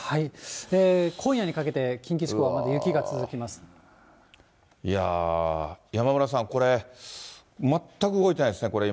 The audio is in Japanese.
今夜にかけて、近畿地方、いやー、山村さん、これ、全く動いてないですね、これ、今。